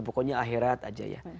pokoknya akhirat aja ya